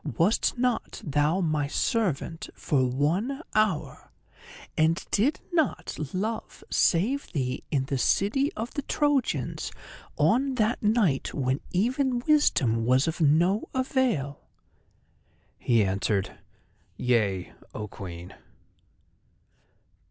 Wast not thou my servant for one hour, and did not Love save thee in the city of the Trojans on that night when even Wisdom was of no avail?" He answered: "Yea, O Queen!"